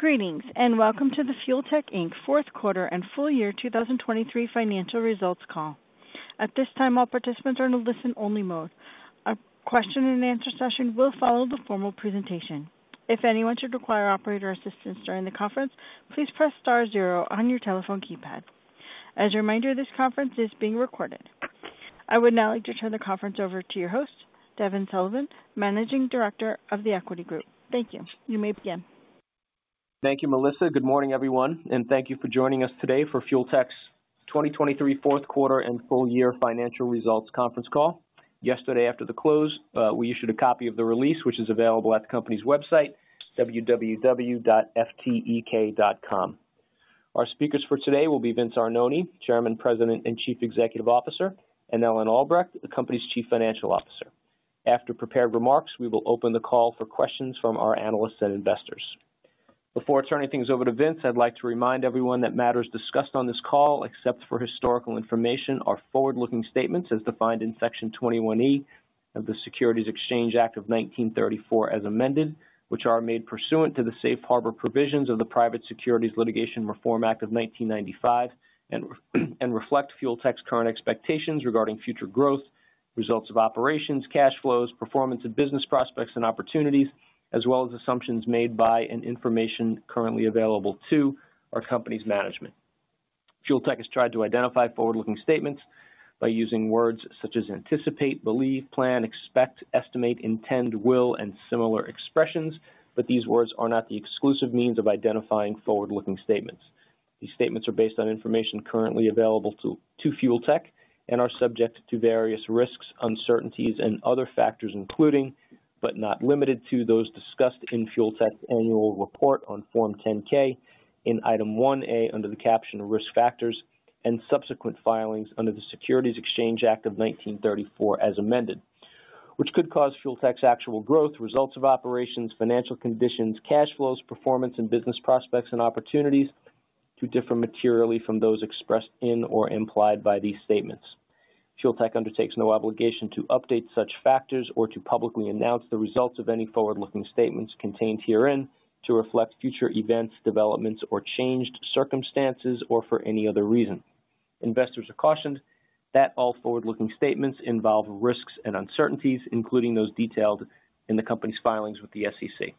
Greetings, and welcome to the Fuel Tech, Inc. fourth quarter and full year 2023 financial results call. At this time, all participants are in a listen-only mode. Our question-and-answer session will follow the formal presentation. If anyone should require operator assistance during the conference, please press star zero on your telephone keypad. As a reminder, this conference is being recorded. I would now like to turn the conference over to your host, Devin Sullivan, Managing Director of The Equity Group. Thank you. You may begin. Thank you, Melissa. Good morning, everyone, and thank you for joining us today for Fuel Tech's 2023 fourth quarter and full year financial results conference call. Yesterday, after the close, we issued a copy of the release, which is available at the company's website, www.ftek.com. Our speakers for today will be Vince Arnone, Chairman, President, and Chief Executive Officer, and Ellen Albrecht, the company's Chief Financial Officer. After prepared remarks, we will open the call for questions from our analysts and investors. Before turning things over to Vince, I'd like to remind everyone that matters discussed on this call, except for historical information, are forward-looking statements as defined in Section 21E of the Securities Exchange Act of 1934 as amended, which are made pursuant to the Safe Harbor provisions of the Private Securities Litigation Reform Act of 1995, and reflect Fuel Tech's current expectations regarding future growth, results of operations, cash flows, performance of business prospects and opportunities, as well as assumptions made by and information currently available to our company's management. Fuel Tech has tried to identify forward-looking statements by using words such as anticipate, believe, plan, expect, estimate, intend, will, and similar expressions, but these words are not the exclusive means of identifying forward-looking statements. These statements are based on information currently available to Fuel Tech and are subject to various risks, uncertainties, and other factors, including, but not limited to, those discussed in Fuel Tech's annual report on Form 10-K in Item 1A under the caption Risk Factors, and subsequent filings under the Securities Exchange Act of 1934 as amended, which could cause Fuel Tech's actual growth, results of operations, financial conditions, cash flows, performance and business prospects and opportunities to differ materially from those expressed in or implied by these statements. Fuel Tech undertakes no obligation to update such factors or to publicly announce the results of any forward-looking statements contained herein to reflect future events, developments, or changed circumstances or for any other reason. Investors are cautioned that all forward-looking statements involve risks and uncertainties, including those detailed in the company's filings with the SEC.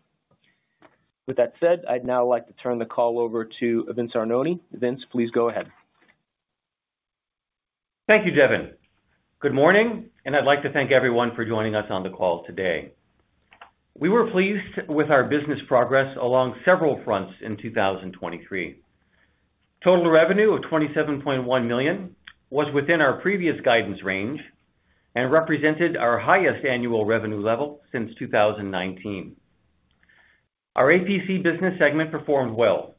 With that said, I'd now like to turn the call over to Vince Arnone. Vince, please go ahead. Thank you, Devin. Good morning, and I'd like to thank everyone for joining us on the call today. We were pleased with our business progress along several fronts in 2023. Total revenue of $27.1 million was within our previous guidance range and represented our highest annual revenue level since 2019. Our APC business segment performed well,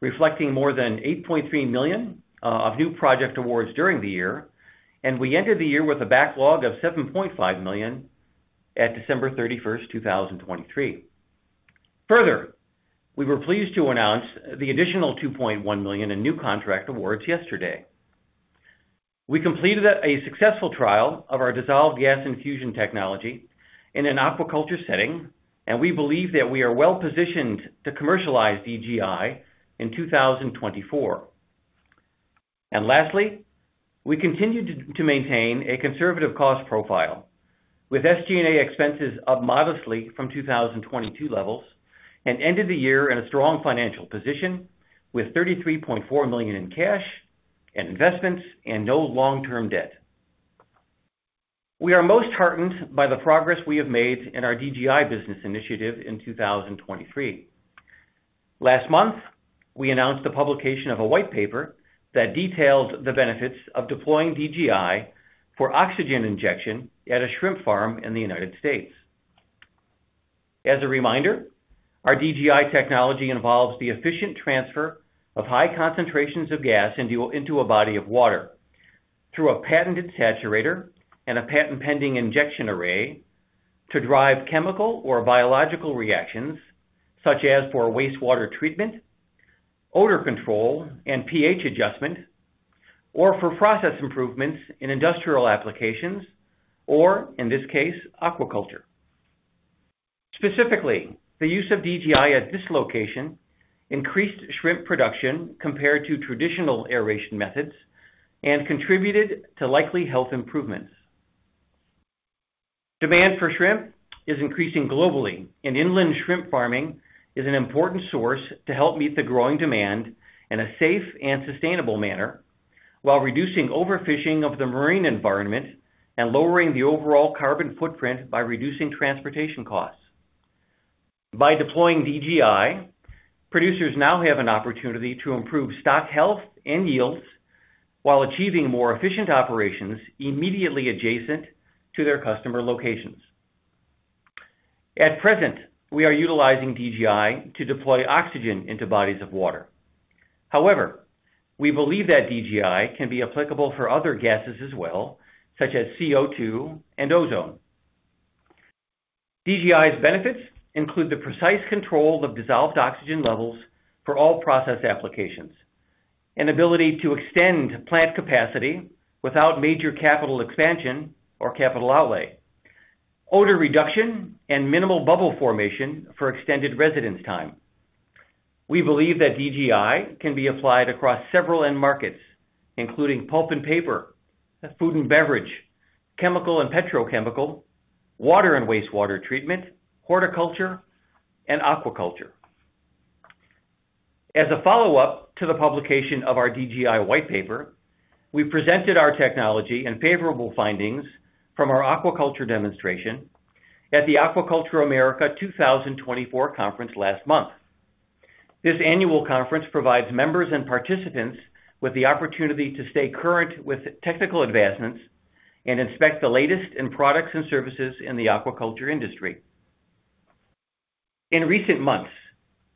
reflecting more than $8.3 million of new project awards during the year, and we ended the year with a backlog of $7.5 million at December 31st, 2023. Further, we were pleased to announce the additional $2.1 million in new contract awards yesterday. We completed a successful trial of our Dissolved Gas Infusion technology in an aquaculture setting, and we believe that we are well-positioned to commercialize DGI in 2024. Lastly, we continue to maintain a conservative cost profile with SG&A expenses up modestly from 2022 levels and ended the year in a strong financial position with $33.4 million in cash and investments and no long-term debt. We are most heartened by the progress we have made in our DGI business initiative in 2023. Last month, we announced the publication of a white paper that details the benefits of deploying DGI for oxygen injection at a shrimp farm in the United States. As a reminder, our DGI technology involves the efficient transfer of high concentrations of gas into a body of water through a patented saturator and a patent-pending injection array to drive chemical or biological reactions such as for wastewater treatment, odor control and pH adjustment, or for process improvements in industrial applications or, in this case, aquaculture. Specifically, the use of DGI at this location increased shrimp production compared to traditional aeration methods and contributed to likely health improvements. Demand for shrimp is increasing globally, and inland shrimp farming is an important source to help meet the growing demand in a safe and sustainable manner while reducing overfishing of the marine environment and lowering the overall carbon footprint by reducing transportation costs. By deploying DGI, producers now have an opportunity to improve stock health and yields while achieving more efficient operations immediately adjacent to their customer locations. At present, we are utilizing DGI to deploy oxygen into bodies of water. However, we believe that DGI can be applicable for other gases as well, such as CO2 and ozone. DGI's benefits include the precise control of dissolved oxygen levels for all process applications, an ability to extend plant capacity without major capital expansion or capital outlay, odor reduction, and minimal bubble formation for extended residence time. We believe that DGI can be applied across several end markets, including pulp and paper, food and beverage, chemical and petrochemical, water and wastewater treatment, horticulture, and aquaculture. As a follow-up to the publication of our DGI white paper, we presented our technology and favorable findings from our aquaculture demonstration at the Aquaculture America 2024 conference last month. This annual conference provides members and participants with the opportunity to stay current with technical advancements and inspect the latest in products and services in the aquaculture industry. In recent months,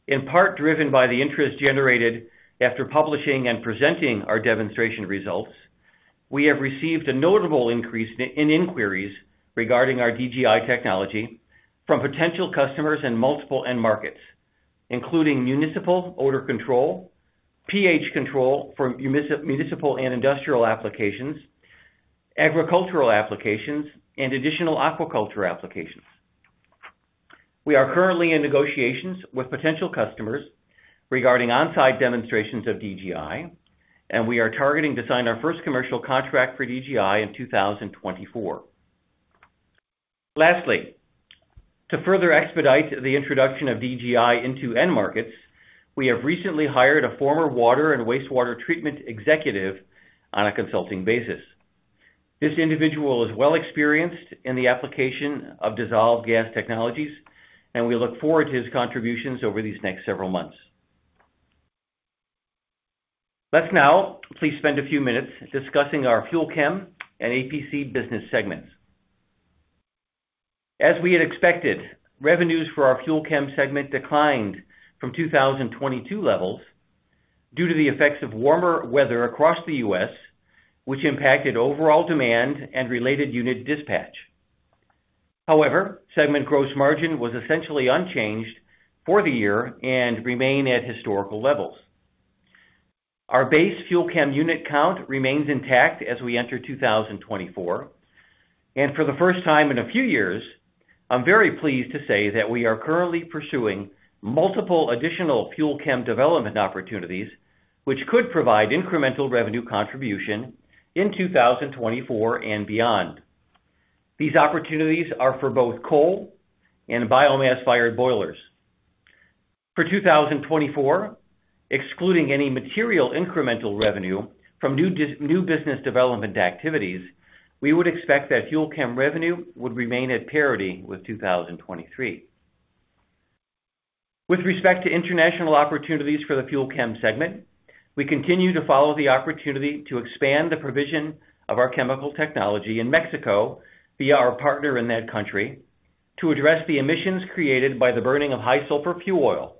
in part driven by the interest generated after publishing and presenting our demonstration results, we have received a notable increase in inquiries regarding our DGI technology from potential customers in multiple end markets, including municipal odor control, pH control for municipal and industrial applications, agricultural applications, and additional aquaculture applications. We are currently in negotiations with potential customers regarding onsite demonstrations of DGI, and we are targeting to sign our first commercial contract for DGI in 2024. Lastly, to further expedite the introduction of DGI into end markets, we have recently hired a former water and wastewater treatment executive on a consulting basis. This individual is well-experienced in the application of dissolved gas technologies, and we look forward to his contributions over these next several months. Let's now please spend a few minutes discussing our FUEL CHEM and APC business segments. As we had expected, revenues for our FUEL CHEM segment declined from 2022 levels due to the effects of warmer weather across the U.S., which impacted overall demand and related unit dispatch. However, segment gross margin was essentially unchanged for the year and remained at historical levels. Our base FUEL CHEM unit count remains intact as we enter 2024, and for the first time in a few years, I'm very pleased to say that we are currently pursuing multiple additional FUEL CHEM development opportunities, which could provide incremental revenue contribution in 2024 and beyond. These opportunities are for both coal and biomass-fired boilers. For 2024, excluding any material incremental revenue from new business development activities, we would expect that FUEL CHEM revenue would remain at parity with 2023. With respect to international opportunities for the FUEL CHEM segment, we continue to follow the opportunity to expand the provision of our chemical technology in Mexico via our partner in that country to address the emissions created by the burning of high-sulfur fuel oil,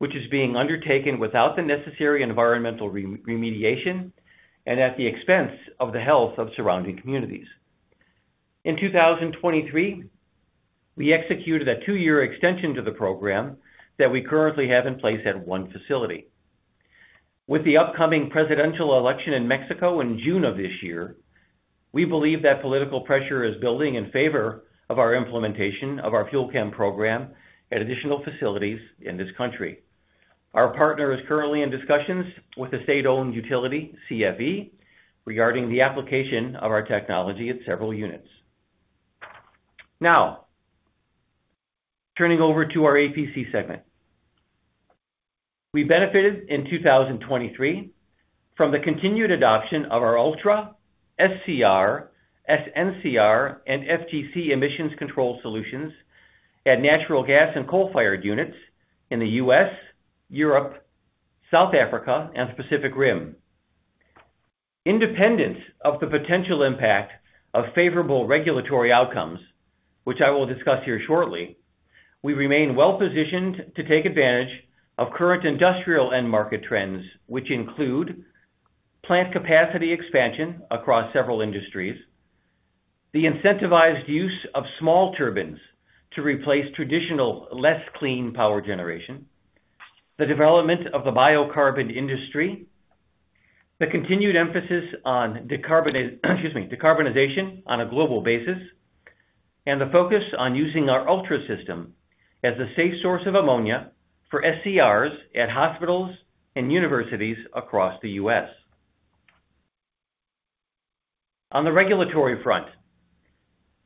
which is being undertaken without the necessary environmental remediation and at the expense of the health of surrounding communities. In 2023, we executed a two-year extension to the program that we currently have in place at one facility. With the upcoming presidential election in Mexico in June of this year, we believe that political pressure is building in favor of our implementation of our FUEL CHEM program at additional facilities in this country. Our partner is currently in discussions with the state-owned utility, CFE, regarding the application of our technology at several units. Now, turning over to our APC segment. We benefited in 2023 from the continued adoption of our ULTRA, SCR, SNCR, and FGC emissions control solutions at natural gas and coal-fired units in the U.S., Europe, South Africa, and the Pacific Rim. Independent of the potential impact of favorable regulatory outcomes, which I will discuss here shortly, we remain well-positioned to take advantage of current industrial end market trends, which include plant capacity expansion across several industries, the incentivized use of small turbines to replace traditional, less clean power generation, the development of the biocarbon industry, the continued emphasis on decarbonization on a global basis, and the focus on using our ULTRA system as a safe source of ammonia for SCRs at hospitals and universities across the U.S. On the regulatory front,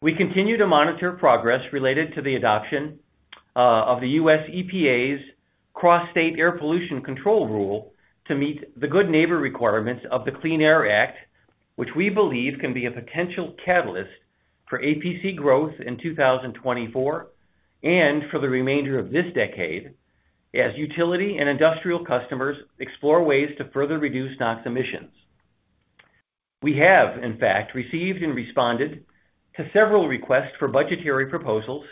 we continue to monitor progress related to the adoption of the U.S. EPA's Cross-State Air Pollution Control Rule to meet the Good Neighbor Requirements of the Clean Air Act, which we believe can be a potential catalyst for APC growth in 2024 and for the remainder of this decade as utility and industrial customers explore ways to further reduce NOx emissions. We have, in fact, received and responded to several requests for budgetary proposals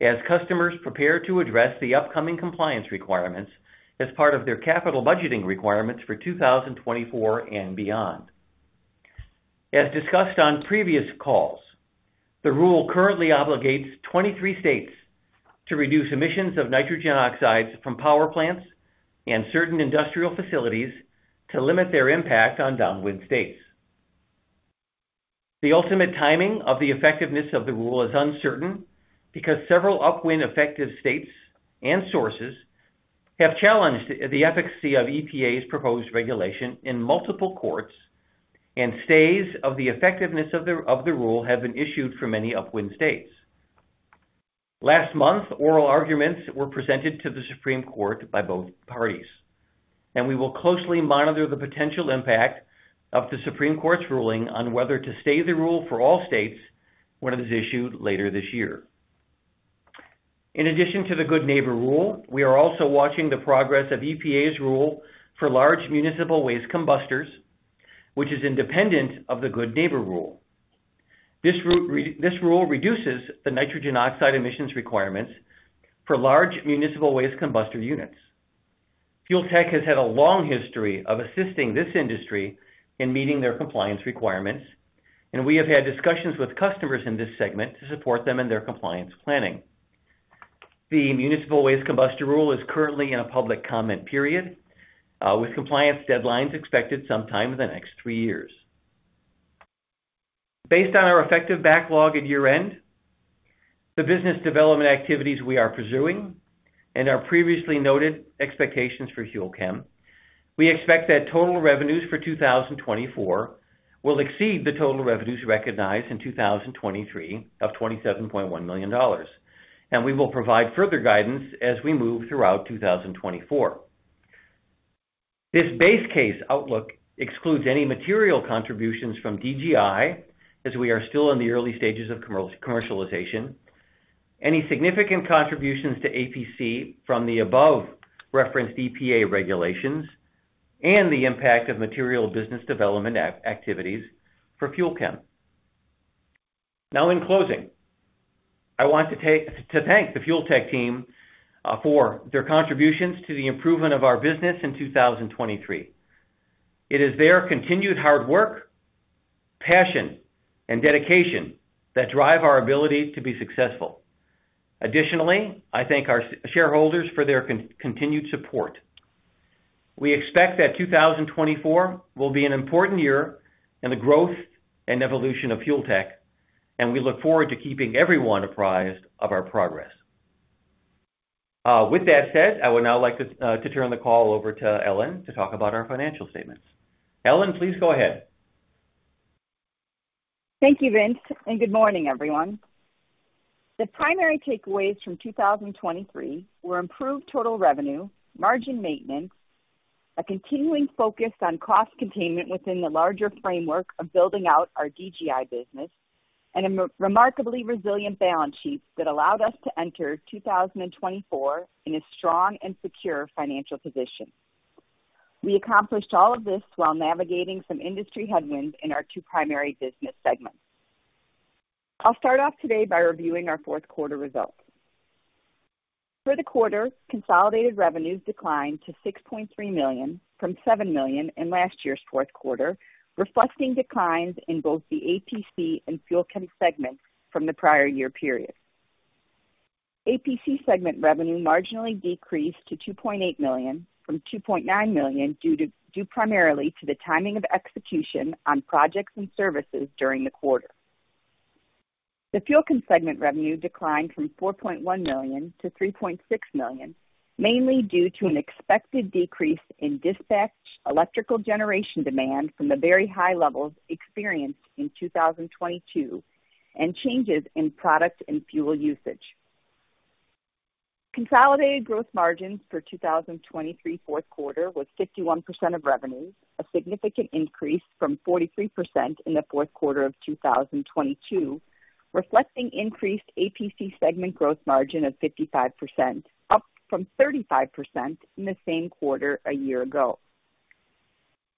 as customers prepare to address the upcoming compliance requirements as part of their capital budgeting requirements for 2024 and beyond. As discussed on previous calls, the rule currently obligates 23 states to reduce emissions of nitrogen oxides from power plants and certain industrial facilities to limit their impact on downwind states. The ultimate timing of the effectiveness of the rule is uncertain because several upwind-effective states and sources have challenged the efficacy of EPA's proposed regulation in multiple courts, and stays of the effectiveness of the rule have been issued for many upwind states. Last month, oral arguments were presented to the Supreme Court by both parties, and we will closely monitor the potential impact of the Supreme Court's ruling on whether to stay the rule for all states when it is issued later this year. In addition to the Good Neighbor Rule, we are also watching the progress of EPA's rule for large municipal waste combustors, which is independent of the Good Neighbor Rule. This rule reduces the nitrogen oxide emissions requirements for large municipal waste combustor units. Fuel Tech has had a long history of assisting this industry in meeting their compliance requirements, and we have had discussions with customers in this segment to support them in their compliance planning. The Municipal Waste Combustor Rule is currently in a public comment period, with compliance deadlines expected sometime in the next three years. Based on our effective backlog at year-end, the business development activities we are pursuing, and our previously noted expectations for FUEL CHEM, we expect that total revenues for 2024 will exceed the total revenues recognized in 2023 of $27.1 million, and we will provide further guidance as we move throughout 2024. This base case outlook excludes any material contributions from DGI as we are still in the early stages of commercialization, any significant contributions to APC from the above-referenced EPA regulations, and the impact of material business development activities for FUEL CHEM. Now, in closing, I want to thank the Fuel Tech team for their contributions to the improvement of our business in 2023. It is their continued hard work, passion, and dedication that drive our ability to be successful. Additionally, I thank our shareholders for their continued support. We expect that 2024 will be an important year in the growth and evolution of Fuel Tech, and we look forward to keeping everyone apprised of our progress. With that said, I would now like to turn the call over to Ellen to talk about our financial statements. Ellen, please go ahead. Thank you, Vince, and good morning, everyone. The primary takeaways from 2023 were improved total revenue, margin maintenance, a continuing focus on cost containment within the larger framework of building out our DGI business, and a remarkably resilient balance sheet that allowed us to enter 2024 in a strong and secure financial position. We accomplished all of this while navigating some industry headwinds in our two primary business segments. I'll start off today by reviewing our fourth quarter results. For the quarter, consolidated revenues declined to $6.3 million from $7 million in last year's fourth quarter, reflecting declines in both the APC and FUEL CHEM segments from the prior year period. APC segment revenue marginally decreased to $2.8 million from $2.9 million primarily to the timing of execution on projects and services during the quarter. The FUEL CHEM segment revenue declined from $4.1 million to $3.6 million, mainly due to an expected decrease in dispatch electrical generation demand from the very high levels experienced in 2022 and changes in product and fuel usage. Consolidated gross margins for 2023 fourth quarter was 51% of revenue, a significant increase from 43% in the fourth quarter of 2022, reflecting increased APC segment gross margin of 55%, up from 35% in the same quarter a year ago.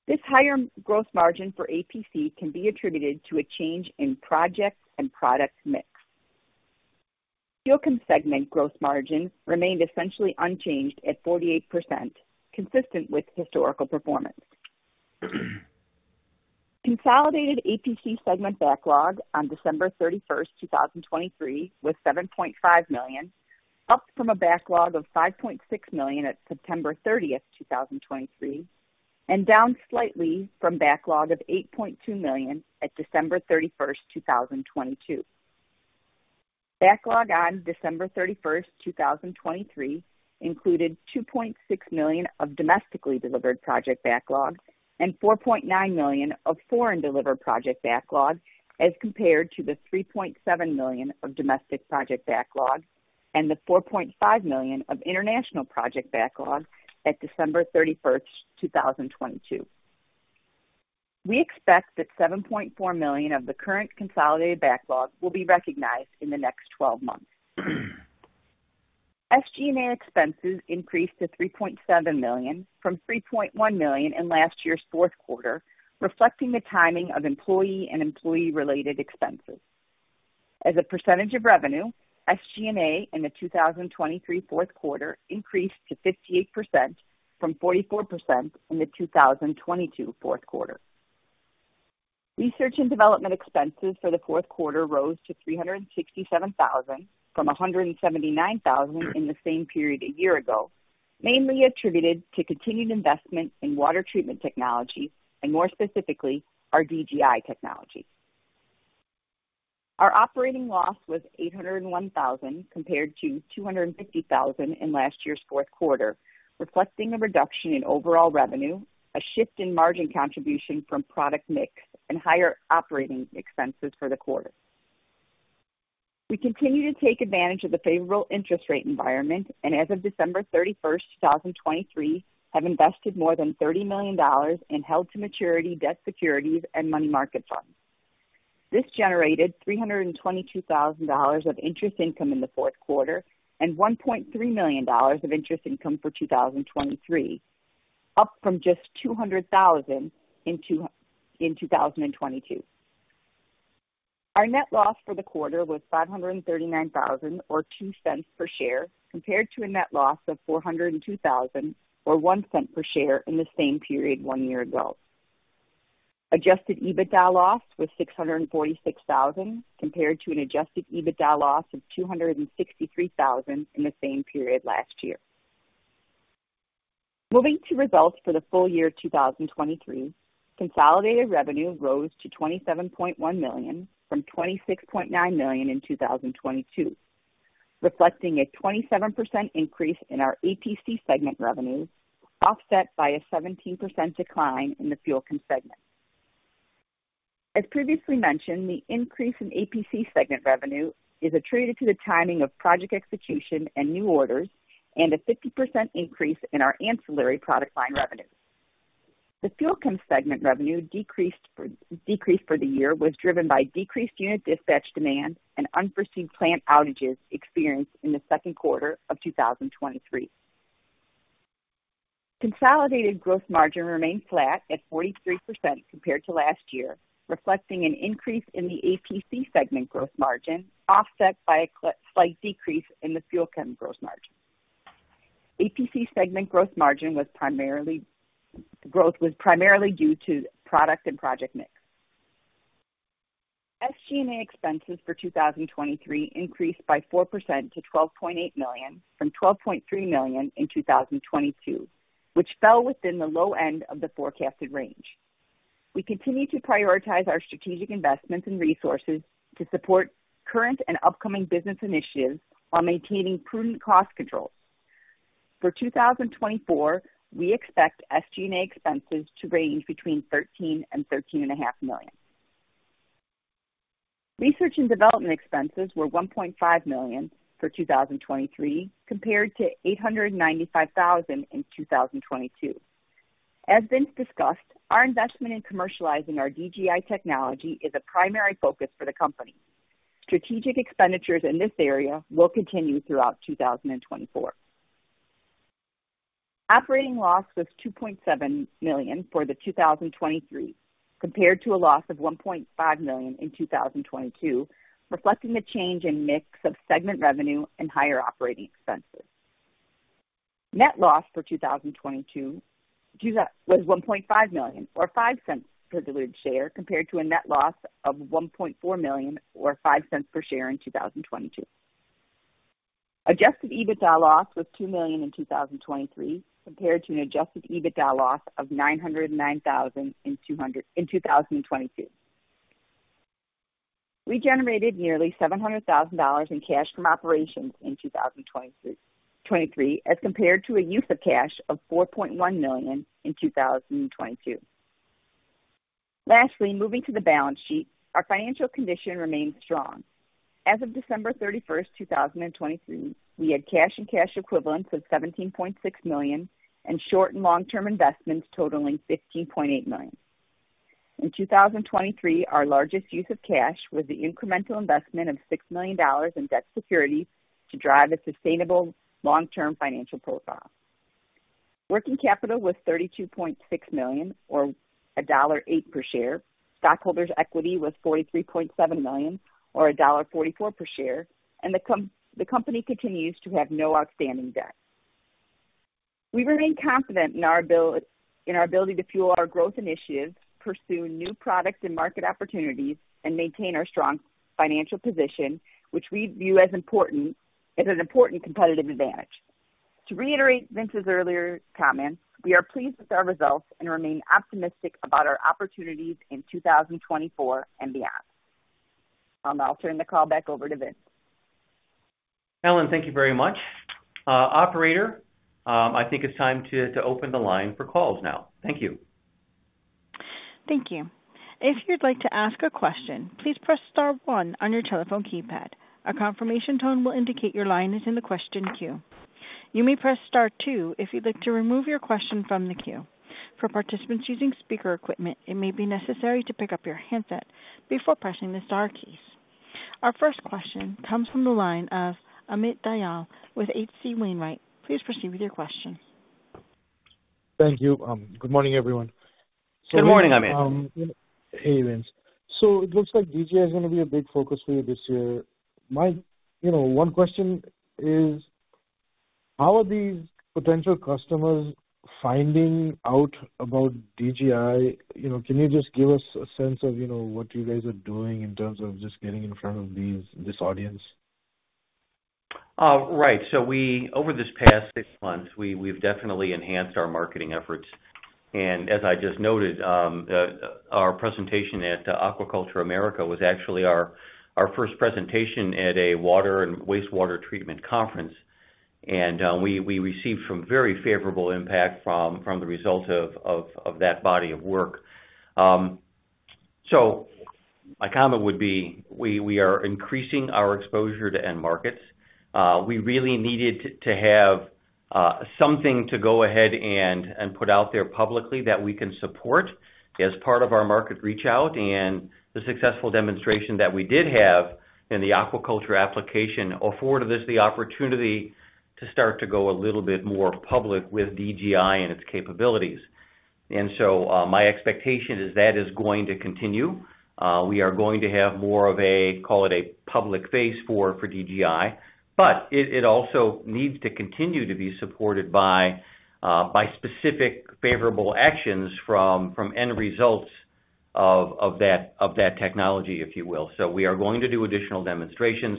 This higher gross margin for APC can be attributed to a change in project and product mix. FUEL CHEM segment gross margin remained essentially unchanged at 48%, consistent with historical performance. Consolidated APC segment backlog on December 31st, 2023, was $7.5 million, up from a backlog of $5.6 million at September 30, 2023, and down slightly from backlog of $8.2 million at December 31st, 2022. Backlog on December 31st, 2023, included $2.6 million of domestically delivered project backlog and $4.9 million of foreign-delivered project backlog as compared to the $3.7 million of domestic project backlog and the $4.5 million of international project backlog at December 31st, 2022. We expect that $7.4 million of the current consolidated backlog will be recognized in the next 12 months. SG&A expenses increased to $3.7 million from $3.1 million in last year's fourth quarter, reflecting the timing of employee and employee-related expenses. As a percentage of revenue, SG&A in the 2023 fourth quarter increased to 58% from 44% in the 2022 fourth quarter. Research and development expenses for the fourth quarter rose to $367,000 from $179,000 in the same period a year ago, mainly attributed to continued investment in water treatment technology and, more specifically, our DGI technology. Our operating loss was $801,000 compared to $250,000 in last year's fourth quarter, reflecting a reduction in overall revenue, a shift in margin contribution from product mix, and higher operating expenses for the quarter. We continue to take advantage of the favorable interest rate environment and, as of December 31st, 2023, have invested more than $30 million in held-to-maturity debt securities and money market funds. This generated $322,000 of interest income in the fourth quarter and $1.3 million of interest income for 2023, up from just $200,000 in 2022. Our net loss for the quarter was $539,000 or $0.02 per share compared to a net loss of $402,000 or $0.01 per share in the same period one year ago. Adjusted EBITDA loss was $646,000 compared to an adjusted EBITDA loss of $263,000 in the same period last year. Moving to results for the full year 2023, consolidated revenue rose to $27.1 million from $26.9 million in 2022, reflecting a 27% increase in our APC segment revenue, offset by a 17% decline in the FUEL CHEM segment. As previously mentioned, the increase in APC segment revenue is attributed to the timing of project execution and new orders and a 50% increase in our ancillary product line revenue. The FUEL CHEM segment revenue decreased for the year was driven by decreased unit dispatch demand and unforeseen plant outages experienced in the second quarter of 2023. Consolidated gross margin remained flat at 43% compared to last year, reflecting an increase in the APC segment gross margin, offset by a slight decrease in the FUEL CHEM gross margin. APC segment gross margin growth was primarily due to product and project mix. SG&A expenses for 2023 increased by 4% to $12.8 million from $12.3 million in 2022, which fell within the low end of the forecasted range. We continue to prioritize our strategic investments and resources to support current and upcoming business initiatives while maintaining prudent cost control. For 2024, we expect SG&A expenses to range between $13 and $13.5 million. Research and development expenses were $1.5 million for 2023 compared to $895,000 in 2022. As Vince discussed, our investment in commercializing our DGI technology is a primary focus for the company. Strategic expenditures in this area will continue throughout 2024. Operating loss was $2.7 million for 2023 compared to a loss of $1.5 million in 2022, reflecting a change in mix of segment revenue and higher operating expenses. Net loss for 2023 was $1.5 million or $0.05 per diluted share compared to a net loss of $1.4 million or $0.05 per share in 2022. Adjusted EBITDA loss was $2 million in 2023 compared to an adjusted EBITDA loss of $909,000 in 2022. We generated nearly $700,000 in cash from operations in 2023 as compared to a use of cash of $4.1 million in 2022. Lastly, moving to the balance sheet, our financial condition remained strong. As of December 31st, 2023, we had cash and cash equivalents of $17.6 million and short and long-term investments totaling $15.8 million. In 2023, our largest use of cash was the incremental investment of $6 million in debt securities to drive a sustainable long-term financial profile. Working capital was $32.6 million or $1.08 per share. Stockholders' equity was $43.7 million or $1.44 per share, and the company continues to have no outstanding debt. We remain confident in our ability to fuel our growth initiatives, pursue new products and market opportunities, and maintain our strong financial position, which we view as an important competitive advantage. To reiterate Vince's earlier comments, we are pleased with our results and remain optimistic about our opportunities in 2024 and beyond. I'll turn the call back over to Vince. Ellen, thank you very much. Operator, I think it's time to open the line for calls now. Thank you. Thank you. If you'd like to ask a question, please press star one on your telephone keypad. A confirmation tone will indicate your line is in the question queue. You may press star two if you'd like to remove your question from the queue. For participants using speaker equipment, it may be necessary to pick up your handset before pressing the star keys. Our first question comes from the line of Amit Dayal with H.C. Wainwright. Please proceed with your question. Thank you. Good morning, everyone. Good morning, Amit. Hey, Vince. So it looks like DGI is going to be a big focus for you this year. One question is, how are these potential customers finding out about DGI? Can you just give us a sense of what you guys are doing in terms of just getting in front of this audience? Right. So over this past six months, we've definitely enhanced our marketing efforts. And as I just noted, our presentation at Aquaculture America was actually our first presentation at a water and wastewater treatment conference, and we received some very favorable impact from the results of that body of work. So my comment would be, we are increasing our exposure to end markets. We really needed to have something to go ahead and put out there publicly that we can support as part of our market reach out. The successful demonstration that we did have in the aquaculture application afforded us the opportunity to start to go a little bit more public with DGI and its capabilities. So my expectation is that is going to continue. We are going to have more of a, call it, a public face for DGI, but it also needs to continue to be supported by specific favorable actions from end results of that technology, if you will. We are going to do additional demonstrations.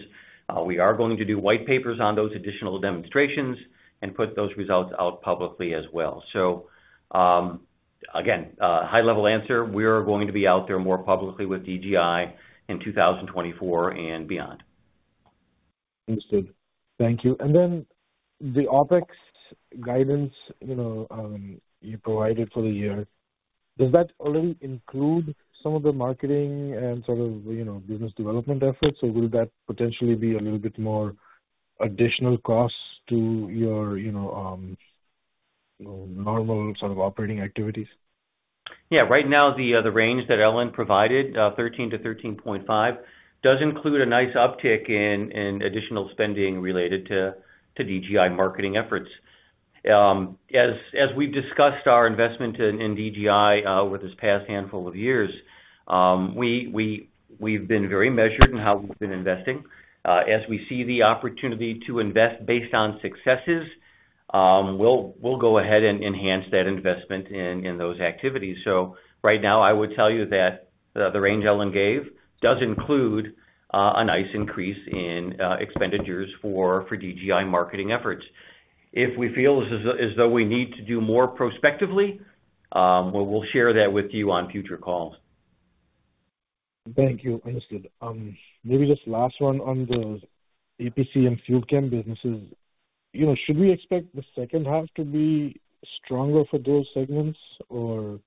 We are going to do white papers on those additional demonstrations and put those results out publicly as well. Again, high-level answer, we are going to be out there more publicly with DGI in 2024 and beyond. Understood. Thank you. And then the OpEx guidance you provided for the year, does that already include some of the marketing and sort of business development efforts? So will that potentially be a little bit more additional cost to your normal sort of operating activities? Yeah. Right now, the range that Ellen provided, $13-$13.5, does include a nice uptick in additional spending related to DGI marketing efforts. As we've discussed our investment in DGI over this past handful of years, we've been very measured in how we've been investing. As we see the opportunity to invest based on successes, we'll go ahead and enhance that investment in those activities. So right now, I would tell you that the range Ellen gave does include a nice increase in expenditures for DGI marketing efforts. If we feel as though we need to do more prospectively, we'll share that with you on future calls. Thank you. Understood. Maybe just last one on the APC and Fuel Chem businesses. Should we expect the second half to be stronger for those segments or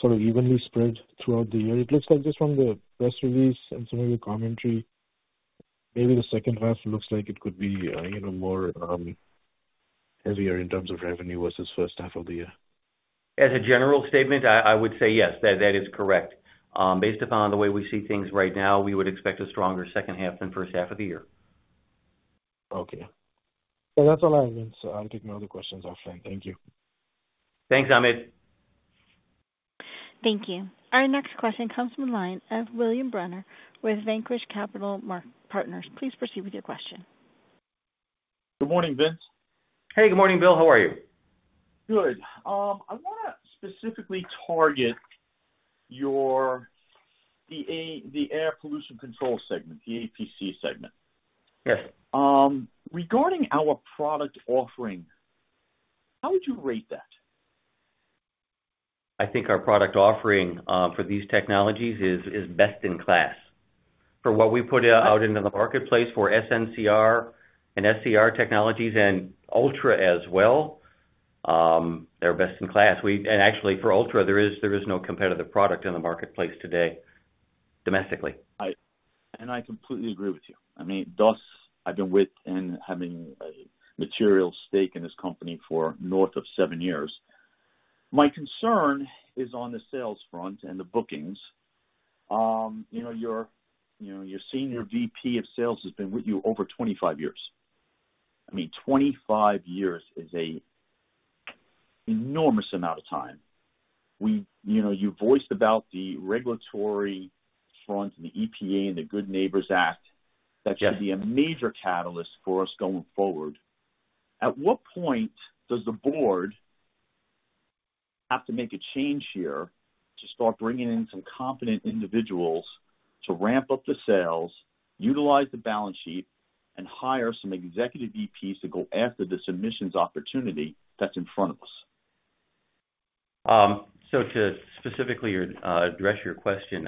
sort of evenly spread throughout the year? It looks like just from the press release and some of your commentary, maybe the second half looks like it could be more heavier in terms of revenue versus first half of the year. As a general statement, I would say yes, that is correct. Based upon the way we see things right now, we would expect a stronger second half than first half of the year. Okay. Yeah, that's all I have, Vince. I'll take no other questions offline. Thank you. Thanks, Amit. Thank you. Our next question comes from the line of William Bremer with Vanquish Capital Partners. Please proceed with your question. Good morning, Vince. Hey, good morning, Bill. How are you? Good. I want to specifically target the air pollution control segment, the APC segment. Regarding our product offering, how would you rate that? I think our product offering for these technologies is best in class. For what we put out into the marketplace for SNCR and SCR technologies and Ultra as well, they're best in class. And actually, for Ultra, there is no competitive product in the marketplace today domestically. And I completely agree with you. I mean, so, I've been with and having a material stake in this company for north of seven years. My concern is on the sales front and the bookings. Your senior VP of sales has been with you over 25 years. I mean, 25 years is an enormous amount of time. You've voiced about the regulatory front and the EPA and the Good Neighbor Rule. That should be a major catalyst for us going forward. At what point does the board have to make a change here to start bringing in some competent individuals to ramp up the sales, utilize the balance sheet, and hire some executive VPs to go after this emissions opportunity that's in front of us? So to specifically address your question,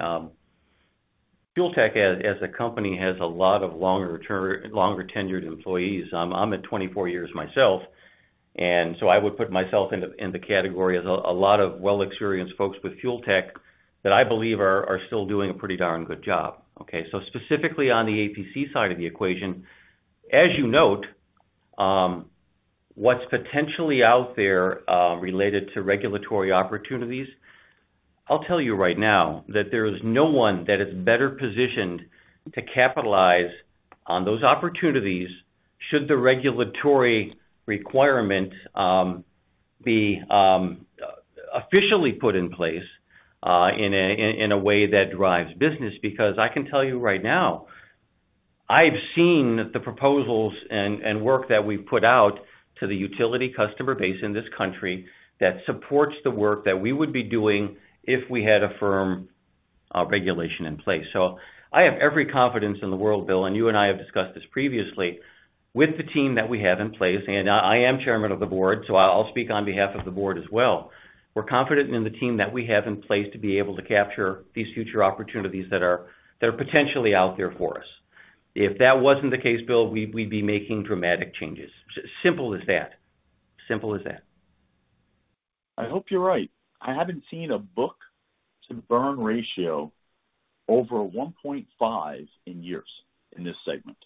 Fuel Tech as a company has a lot of longer-tenured employees. I'm at 24 years myself, and so I would put myself in the category as a lot of well-experienced folks with Fuel Tech that I believe are still doing a pretty darn good job. Okay? So specifically on the APC side of the equation, as you note, what's potentially out there related to regulatory opportunities, I'll tell you right now that there is no one that is better positioned to capitalize on those opportunities should the regulatory requirement be officially put in place in a way that drives business. Because I can tell you right now, I've seen the proposals and work that we've put out to the utility customer base in this country that supports the work that we would be doing if we had a firm regulation in place. So I have every confidence in the world, Bill, and you and I have discussed this previously with the team that we have in place. I am Chairman of the board, so I'll speak on behalf of the board as well. We're confident in the team that we have in place to be able to capture these future opportunities that are potentially out there for us. If that wasn't the case, Bill, we'd be making dramatic changes. Simple as that. Simple as that. I hope you're right. I haven't seen a book-to-burn ratio over 1.5 in years in this segment.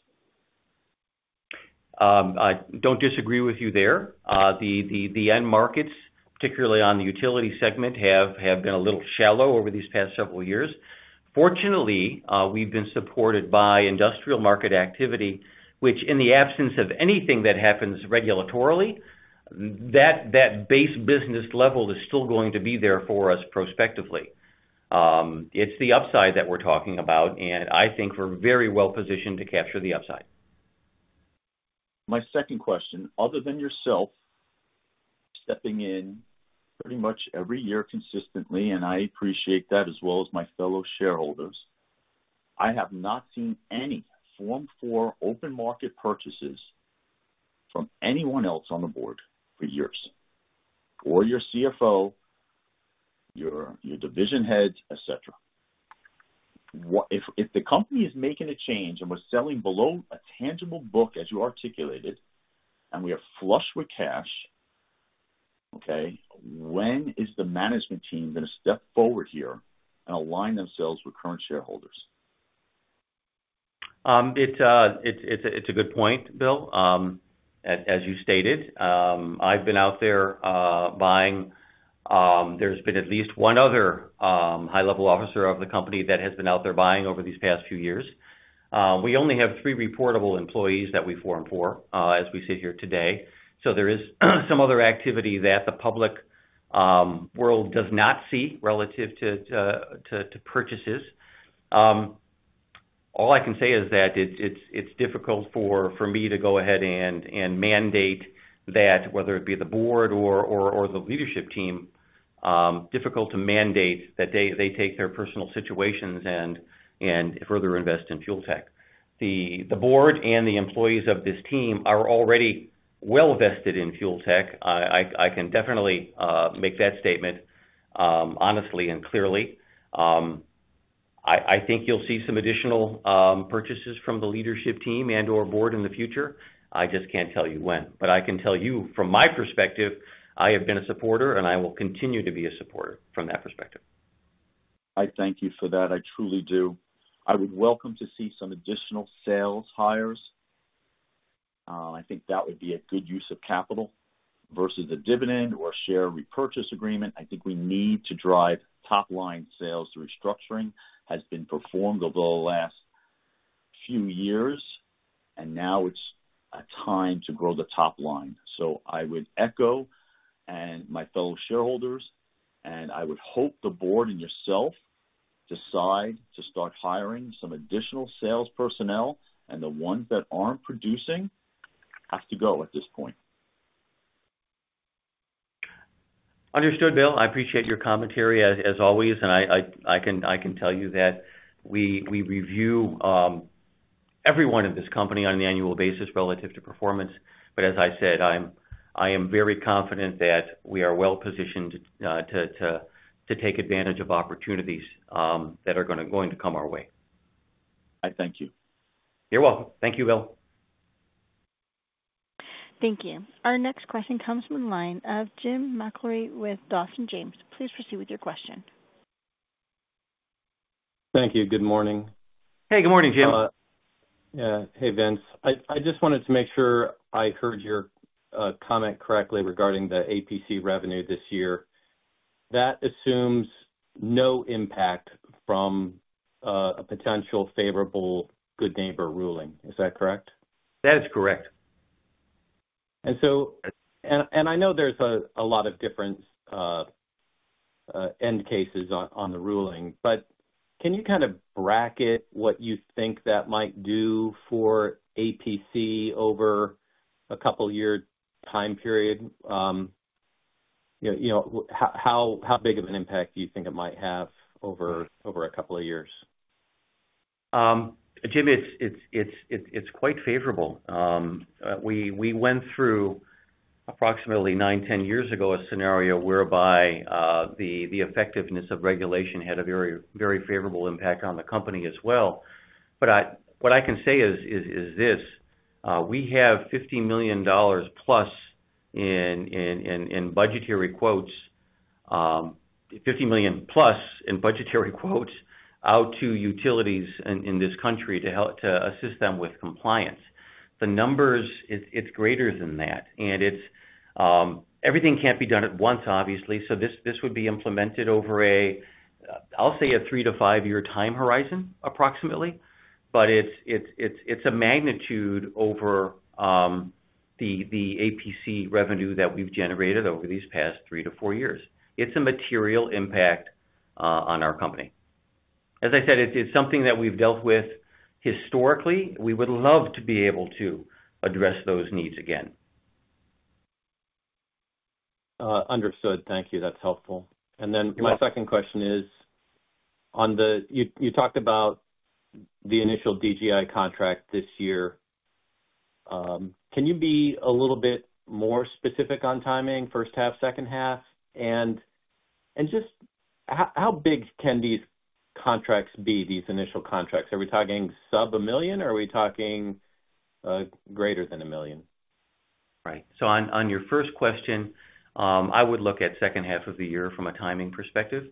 I don't disagree with you there. The end markets, particularly on the utility segment, have been a little shallow over these past several years. Fortunately, we've been supported by industrial market activity, which in the absence of anything that happens regulatorily, that base business level is still going to be there for us prospectively. It's the upside that we're talking about, and I think we're very well positioned to capture the upside. My second question, other than yourself stepping in pretty much every year consistently, and I appreciate that as well as my fellow shareholders, I have not seen any Form 4 open market purchases from anyone else on the board for years, or your CFO, your division heads, etc. If the company is making a change and was selling below a tangible book as you articulated, and we are flush with cash, okay, when is the management team going to step forward here and align themselves with current shareholders? It's a good point, Bill, as you stated. I've been out there buying. There's been at least one other high-level officer of the company that has been out there buying over these past few years. We only have three reportable employees that we Form 4 as we sit here today. So there is some other activity that the public world does not see relative to purchases. All I can say is that it's difficult for me to go ahead and mandate that, whether it be the board or the leadership team, difficult to mandate that they take their personal situations and further invest in Fuel Tech. The board and the employees of this team are already well vested in Fuel Tech. I can definitely make that statement honestly and clearly. I think you'll see some additional purchases from the leadership team and/or board in the future. I just can't tell you when. But I can tell you, from my perspective, I have been a supporter, and I will continue to be a supporter from that perspective. I thank you for that. I truly do. I would welcome to see some additional sales hires. I think that would be a good use of capital versus a dividend or a share repurchase agreement. I think we need to drive top-line sales. The restructuring has been performed over the last few years, and now it's a time to grow the top line. So I would echo my fellow shareholders, and I would hope the board and yourself decide to start hiring some additional sales personnel. And the ones that aren't producing have to go at this point. Understood, Bill. I appreciate your commentary as always, and I can tell you that we review everyone in this company on an annual basis relative to performance. But as I said, I am very confident that we are well positioned to take advantage of opportunities that are going to come our way. I thank you. You're welcome. Thank you, Bill. Thank you. Our next question comes from the line of Jim McIlree with Dawson James. Please proceed with your question. Thank you. Good morning. Hey, good morning, Jim. Yeah. Hey, Vince. I just wanted to make sure I heard your comment correctly regarding the APC revenue this year. That assumes no impact from a potential favorable Good Neighbor ruling. Is that correct? That is correct. And I know there's a lot of different end cases on the ruling, but can you kind of bracket what you think that might do for APC over a couple-year time period? How big of an impact do you think it might have over a couple of years? Jimmy, it's quite favorable. We went through approximately 9-10 years ago a scenario whereby the effectiveness of regulation had a very favorable impact on the company as well. But what I can say is this: we have $50 million-plus in budgetary quotes - $50 million-plus in budgetary quotes - out to utilities in this country to assist them with compliance. The numbers, it's greater than that. And everything can't be done at once, obviously. So this would be implemented over a, I'll say, a 3-5-year time horizon, approximately. But it's a magnitude over the APC revenue that we've generated over these past 3-4 years. It's a material impact on our company. As I said, it's something that we've dealt with historically. We would love to be able to address those needs again. Understood. Thank you. That's helpful. And then my second question is, you talked about the initial DGI contract this year. Can you be a little bit more specific on timing, first half, second half? And just how big can these contracts be, these initial contracts? Are we talking sub $1 million, or are we talking greater than $1 million? Right. So on your first question, I would look at second half of the year from a timing perspective.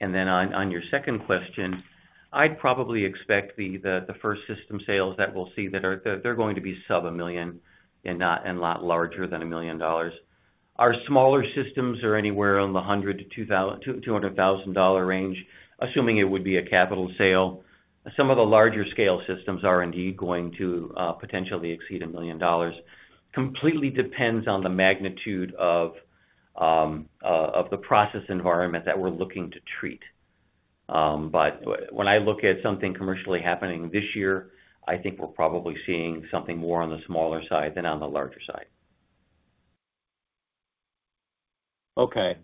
And then on your second question, I'd probably expect the first system sales that we'll see, they're going to be sub $1 million and not larger than $1 million. Our smaller systems are anywhere in the $100,000-$200,000 range, assuming it would be a capital sale. Some of the larger-scale systems are indeed going to potentially exceed $1 million. Completely depends on the magnitude of the process environment that we're looking to treat. But when I look at something commercially happening this year, I think we're probably seeing something more on the smaller side than on the larger side. Okay.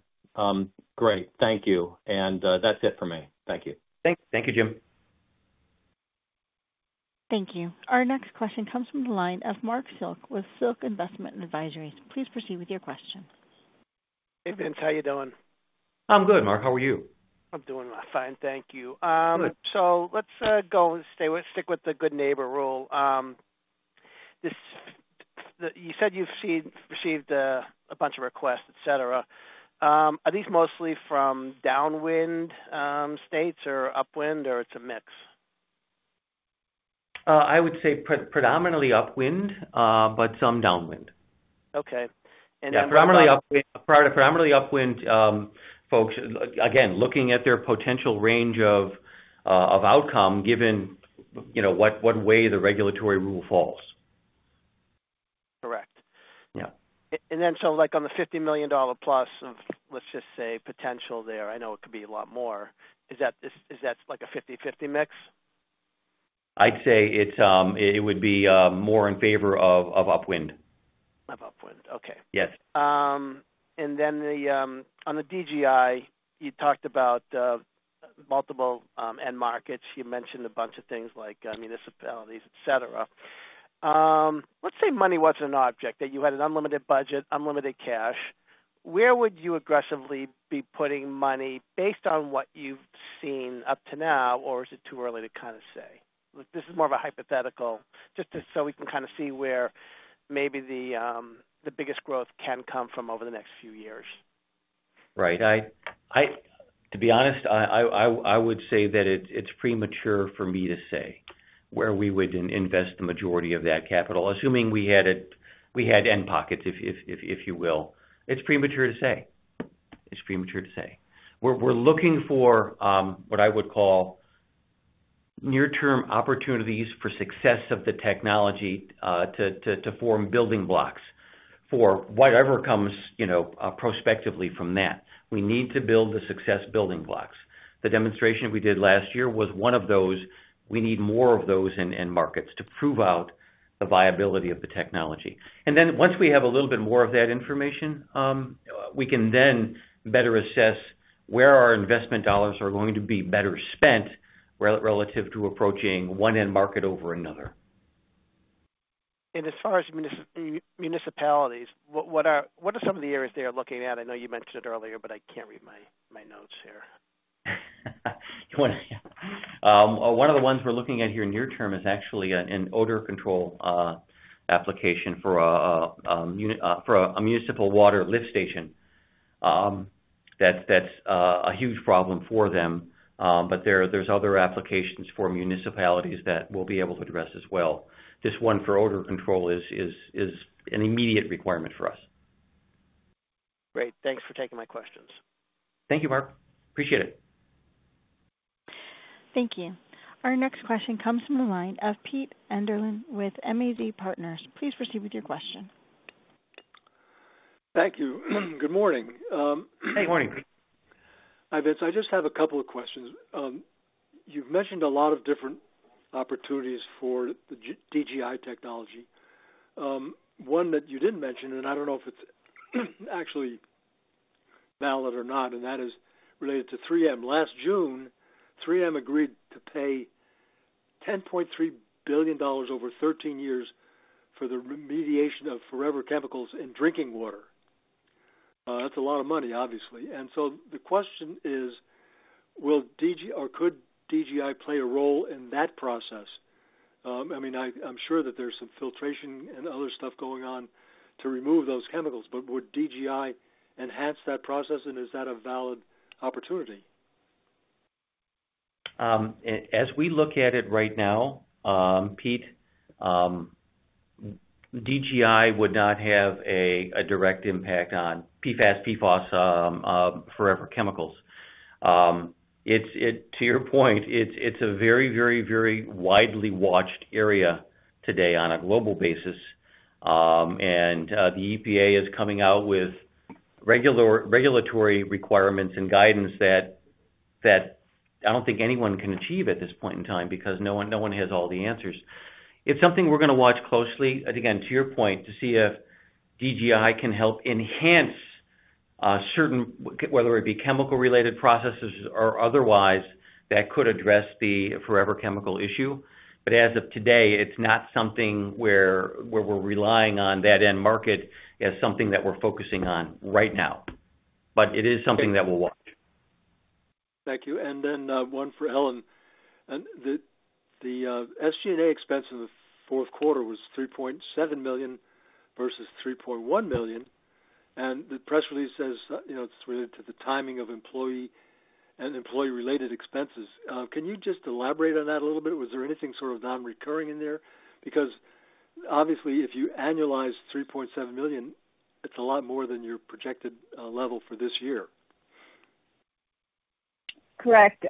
Great. Thank you. And that's it for me. Thank you. Thank you, Jim. Thank you. Our next question comes from the line of Marc Silk with Silk Investment Advisors. Please proceed with your question. Hey, Vince. How you doing? I'm good, Marc. How are you? I'm doing fine. Thank you. So let's stick with the Good Neighbor rule. You said you've received a bunch of requests, etc. Are these mostly from downwind states or upwind, or it's a mix? I would say predominantly upwind, but some downwind. Okay. And then what? Yeah, predominantly upwind folks, again, looking at their potential range of outcome given what way the regulatory rule falls. Correct. And then so on the $50 million-plus of, let's just say, potential there - I know it could be a lot more - is that a 50/50 mix? I'd say it would be more in favor of upwind. Of upwind. Okay. And then on the DGI, you talked about multiple end markets. You mentioned a bunch of things like municipalities, etc. Let's say money wasn't an object, that you had an unlimited budget, unlimited cash. Where would you aggressively be putting money based on what you've seen up to now, or is it too early to kind of say? This is more of a hypothetical, just so we can kind of see where maybe the biggest growth can come from over the next few years. Right. To be honest, I would say that it's premature for me to say where we would invest the majority of that capital, assuming we had deep pockets, if you will. It's premature to say. It's premature to say. We're looking for what I would call near-term opportunities for success of the technology to form building blocks for whatever comes prospectively from that. We need to build the success building blocks. The demonstration we did last year was one of those. We need more of those in end markets to prove out the viability of the technology. And then once we have a little bit more of that information, we can then better assess where our investment dollars are going to be better spent relative to approaching one end market over another. And as far as municipalities, what are some of the areas they are looking at? I know you mentioned it earlier, but I can't read my notes here. One of the ones we're looking at in the near-term is actually an odor control application for a municipal water lift station. That's a huge problem for them, but there's other applications for municipalities that we'll be able to address as well. This one for odor control is an immediate requirement for us. Great. Thanks for taking my questions. Thank you, Marc. Appreciate it. Thank you. Our next question comes from the line of Pete Enderlin with MAZ Partners. Please proceed with your question. Thank you. Good morning. Hey, good morning, Pete. Hi, Vince. I just have a couple of questions. You've mentioned a lot of different opportunities for the DGI technology. One that you didn't mention, and I don't know if it's actually valid or not, and that is related to 3M. Last June, 3M agreed to pay $10.3 billion over 13 years for the remediation of forever chemicals in drinking water. That's a lot of money, obviously. So the question is, could DGI play a role in that process? I mean, I'm sure that there's some filtration and other stuff going on to remove those chemicals, but would DGI enhance that process, and is that a valid opportunity? As we look at it right now, Pete, DGI would not have a direct impact on PFAS, PFOS, forever chemicals. To your point, it's a very, very, very widely watched area today on a global basis. And the EPA is coming out with regulatory requirements and guidance that I don't think anyone can achieve at this point in time because no one has all the answers. It's something we're going to watch closely, again, to your point, to see if DGI can help enhance certain, whether it be chemical-related processes or otherwise, that could address the forever chemical issue. But as of today, it's not something where we're relying on that end market as something that we're focusing on right now. But it is something that we'll watch. Thank you. And then one for Ellen. The SG&A expense in the fourth quarter was $3.7 million versus $3.1 million. The press release says it's related to the timing of employee and employee-related expenses. Can you just elaborate on that a little bit? Was there anything sort of non-recurring in there? Because obviously, if you annualize $3.7 million, it's a lot more than your projected level for this year. Correct.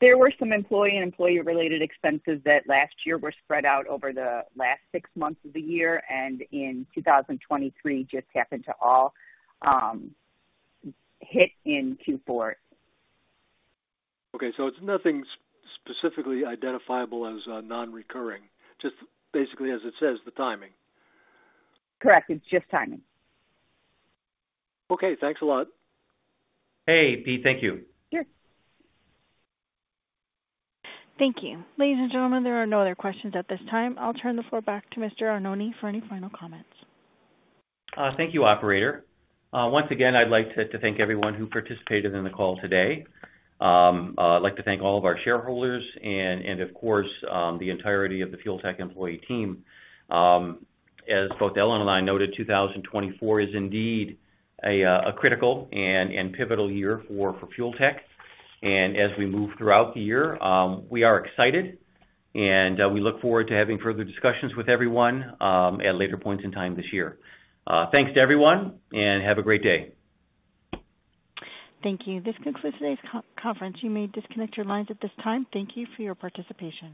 There were some employee and employee-related expenses that last year were spread out over the last six months of the year, and in 2023, just happened to all hit in Q4. Okay. So it's nothing specifically identifiable as non-recurring, just basically, as it says, the timing? Correct. It's just timing. Okay. Thanks a lot. Hey, Pete. Thank you. Sure. Thank you. Ladies and gentlemen, there are no other questions at this time. I'll turn the floor back to Mr. Arnone for any final comments. Thank you, operator. Once again, I'd like to thank everyone who participated in the call today. I'd like to thank all of our shareholders and, of course, the entirety of the Fuel Tech employee team. As both Ellen and I noted, 2024 is indeed a critical and pivotal year for Fuel Tech. As we move throughout the year, we are excited, and we look forward to having further discussions with everyone at later points in time this year. Thanks to everyone, and have a great day. Thank you. This concludes today's conference. You may disconnect your lines at this time. Thank you for your participation.